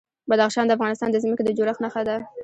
بدخشان د افغانستان د ځمکې د جوړښت نښه ده.